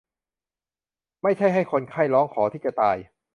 ไม่ใช่ให้คนไข้ร้องขอที่จะตาย